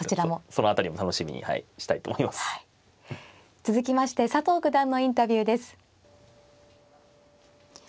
続きまして佐藤九段のインタビューです。